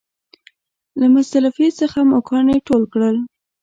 له مزدلفې څخه مو کاڼي ټول کړل.